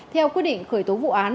theo quyết định khởi tố vụ án